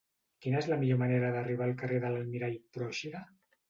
Quina és la millor manera d'arribar al carrer de l'Almirall Pròixida?